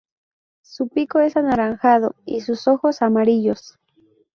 Su pico es anaranjado y sus ojos amarillos.